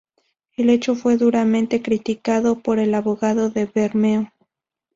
El hecho fue duramente criticado por el abogado de Bermeo.